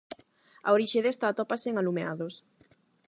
A orixe desta atópase en alumeados.